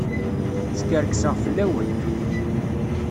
Skerkseɣ fell-awent.